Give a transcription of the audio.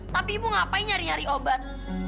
tapi ibu ngapain nyari nyari obat